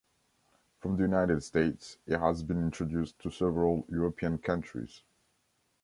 From the United States, it has been introduced to several European countries.